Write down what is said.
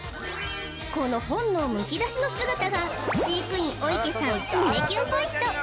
この本能むき出しの姿が飼育員尾池さん胸キュンポイント